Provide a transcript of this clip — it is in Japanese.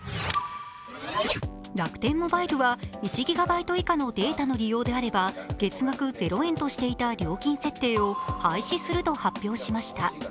楽天モバイルは１ギガバイト以下のデータの利用であれば月額０円としていた料金設定を廃止すると発表しました。